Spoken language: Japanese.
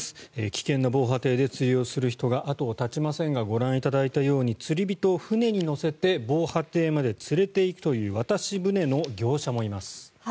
危険な防波堤で釣りをする人が後を絶ちませんがご覧いただいたように釣り人を船に乗せて防波堤まで連れて行くという渡し船の業者もいます。